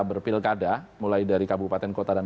berpilkada mulai dari kabupaten kota dan